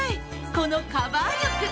このカバー力。